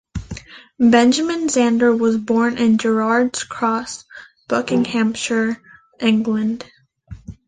Benjamin Zander was born in Gerrards Cross, Buckinghamshire, England.